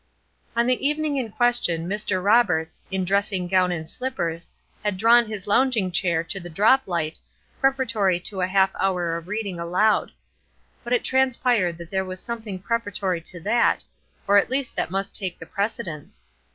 On the evening in question Mr. Roberts, in dressing gown and slippers, had drawn his lounging chair to the drop light, preparatory to a half hour of reading aloud. But it transpired that there was something preparatory to that, or at least that must take the precedence.